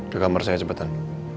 ke kamar saya cepetan